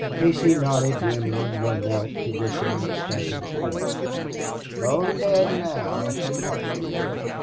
Casey nodded grimly, and then he knelt to listen at Stanton's breast. "Stone dead now thot's shure."